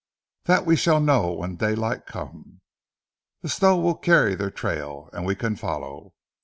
"That we shall know when daylight comes. The snow will carry their trail, and we can follow.